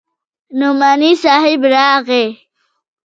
نعماني صاحب راغى.